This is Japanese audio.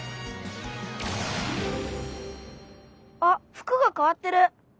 あ服がかわってる。